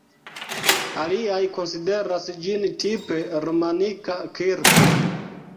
Aliaj konsideras ĝin tipe romanika kirko.